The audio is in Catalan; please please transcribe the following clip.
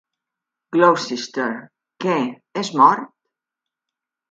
"Gloucester": Què, és mort?